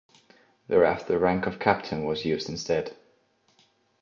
Thereafter the rank of captain was used instead.